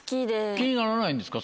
気にならないんですか？